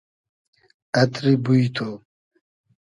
اتری بوی تو